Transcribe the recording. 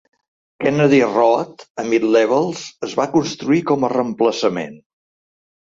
Kennedy Road a Mid-Levels es va construir com a reemplaçament.